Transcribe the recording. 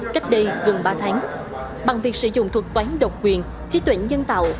gần ba tháng bằng việc sử dụng thuật quán độc quyền trí tuyển dân tạo